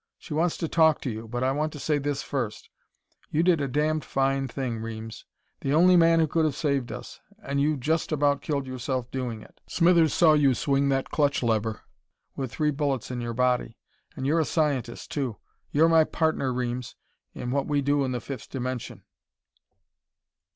She wants to talk to you, but I want to say this first: You did a damned fine thing, Reames! The only man who could have saved us, and you just about killed yourself doing it. Smithers saw you swing that clutch lever with three bullets in your body. And you're a scientist, too. You're my partner, Reames, in what we do in the fifth dimension."